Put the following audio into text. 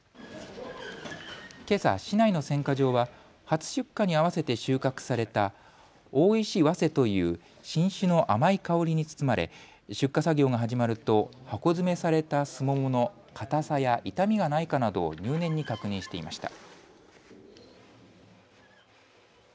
けさ市内の選果場は初出荷に合わせて収穫された大石早生という品種の甘い香りに包まれ出荷作業が始まると箱詰めされたスモモの硬さや傷みがないかなどを入念に確認していました。